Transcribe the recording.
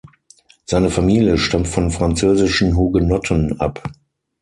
Seine Familie stammt von französischen Hugenotten ab.